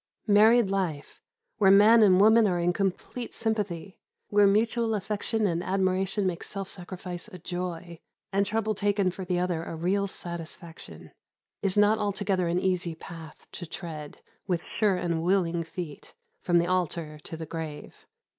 Married life where man and woman are in complete sympathy, where mutual affection and admiration make self sacrifice a joy, and trouble taken for the other a real satisfaction is not altogether an easy path to tread, with sure and willing feet, from the altar to the grave.